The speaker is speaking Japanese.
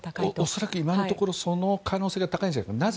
恐らく今のところその可能性が高いんじゃないかな。